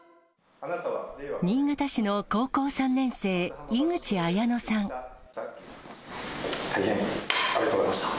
新潟市の高校３年生、大変ありがとうございました。